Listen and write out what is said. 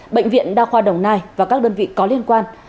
bệnh viện đa khoa đồng nai và các đơn vị có liên quan